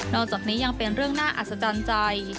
อกจากนี้ยังเป็นเรื่องน่าอัศจรรย์ใจ